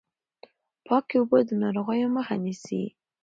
پاکې اوبه د ناروغیو مخه نيسي.